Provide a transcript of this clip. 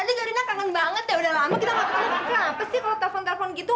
ada jorina kangen banget udah lama kita gak ketemu kenapa sih kalau telepon telepon gitu